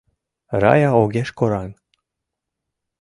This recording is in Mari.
— Рая огеш кораҥ.